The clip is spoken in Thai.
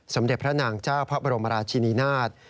สมเด็จพระนางเจ้าพระบรมราชินินาศ